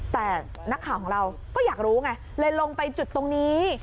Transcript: แต่นักข่าวของเราก็อยากรู้ไงเลยลงไปจุดตรงนี้